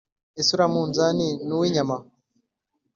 ese uriya munzani nuw'inyama?"